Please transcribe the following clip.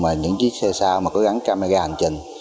mà những chiếc xe xa có gắn camera hành trình